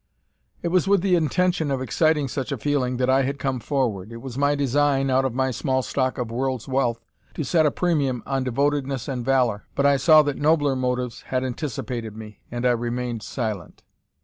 It was with the intention of exciting such a feeling that I had come forward. It was my design, out of my small stock of world's wealth, to set a premium on devotedness and valour, but I saw that nobler motives had anticipated me, and I remained silent.